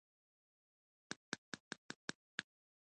نو د جهاد رهبري د لویو مذهبي علماوو په لاس کې وه.